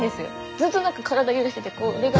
ずっと何か体揺らしててこれが。